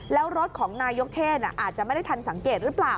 แล้วรถของนายกเทศอาจจะไม่ได้ทันสังเกตหรือเปล่า